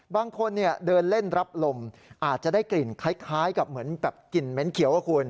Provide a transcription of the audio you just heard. บางคนเดินเล่นรับลมอาจจะได้กลิ่นคล้ายกับเหมือนแบบกลิ่นเหม็นเขียวอะคุณ